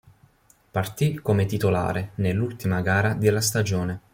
Partì come titolare nell'ultima gara della stagione.